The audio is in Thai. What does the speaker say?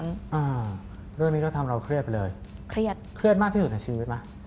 เรื่องนี้ก็ทำเราเครียดไปเลยเครียดมากที่สุดในชีวิตไหม